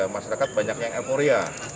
masyarakat banyak yang emoria